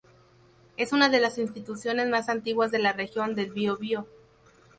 Es una de las instituciones más antiguas de la región del Bio Bio.